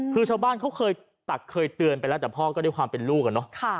คือชาวบ้านเขาเคยตักเคยเตือนไปแล้วแต่พ่อก็ด้วยความเป็นลูกอะเนาะ